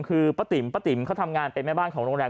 คือป้าติ๋มป้าติ๋มเขาทำงานเป็นแม่บ้านของโรงแรม